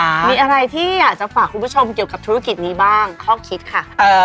มีอะไรที่อยากจะฝากคุณผู้ชมเกี่ยวกับธุรกิจนี้บ้างข้อคิดค่ะ